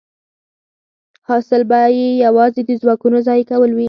حاصل به یې یوازې د ځواکونو ضایع کول وي